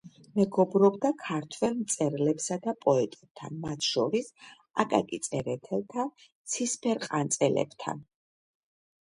მეგობრობდა ქართველ მწერლებსა და პოეტებთან, მათ შორის აკაკი წერეთელთან, ცისფერყანწელებთან.